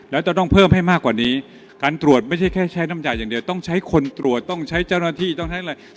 แล้วจะต้องเพิ่มให้มากกว่านี้การตรวจไม่ใช่แค่ใช้น้ำยาอย่างเดียวต้องใช้คนตรวจต้องใช้เจ้าหน้าที่ต้องใช้อะไร